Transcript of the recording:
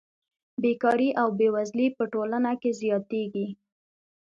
بېکاري او بېوزلي په ټولنه کې زیاتېږي